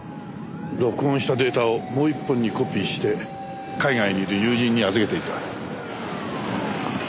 録音したデータをもう１本にコピーして海外にいる友人に預けていた。